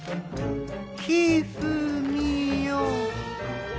ひふみよ。